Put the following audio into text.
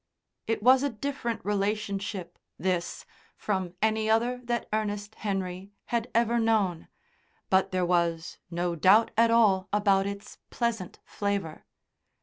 It was a different relationship, this, from any other that Ernest Henry had ever known, but there was no doubt at all about its pleasant flavour.